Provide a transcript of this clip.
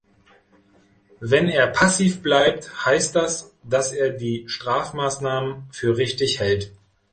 Wenn er passiv bleibt, heißt das, dass er die Strafmaßnahmen für richtig hält.